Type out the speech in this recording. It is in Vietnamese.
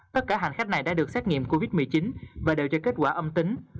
tất cả hành khách này đã được xét nghiệm covid một mươi chín và đều cho kết quả âm tính